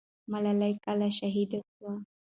ملالۍ کله شهیده سوه؟